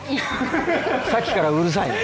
さっきからうるさいね。